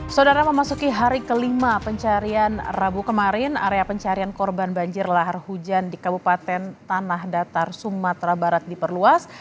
saudara memasuki hari kelima pencarian rabu kemarin area pencarian korban banjir lahar hujan di kabupaten tanah datar sumatera barat diperluas